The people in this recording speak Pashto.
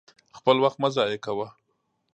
خپل وخت مه ضايع کوه!